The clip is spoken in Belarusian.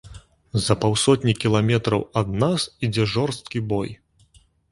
За паўсотні кіламетраў ад нас ідзе жорсткі бой.